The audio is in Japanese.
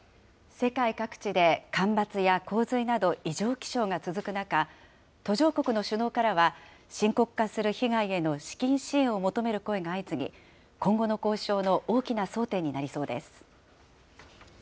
世界各地で干ばつや洪水など異常気象が続く中、途上国の首脳からは、深刻化する被害への資金支援を求める声が相次ぎ、今後の交渉の大きな争点となりそうです。